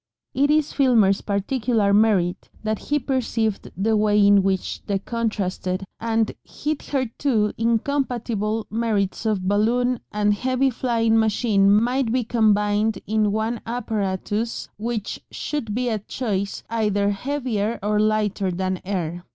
It is Filmer's particular merit that he perceived the way in which the contrasted and hitherto incompatible merits of balloon and heavy flying machine might be combined in one apparatus, which should be at choice either heavier or lighter than air.